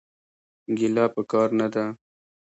ګيله پکار نه ده.